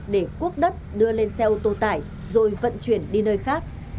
để quốc đất đưa lên xe ô tô tải rồi vận chuyển đi nơi khác